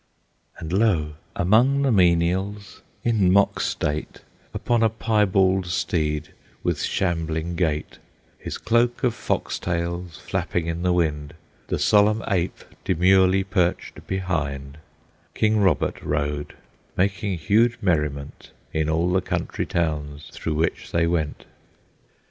And lo! among the menials, in mock state, Upon a piebald steed, with shambling gait, His cloak of fox tails flapping in the wind, The solemn ape demurely perched behind, King Robert rode, making huge merriment In all the country towns through which they went.